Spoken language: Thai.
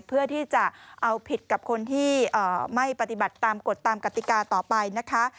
เพื่อที่จะเอาผิดกับคนที่ไม่ปฏิบัติตามกฎตามกติกาต่อไปนะคะ